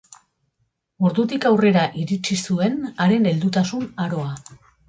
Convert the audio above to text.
Ordutik aurrera iritsi zuen haren heldutasun aroa.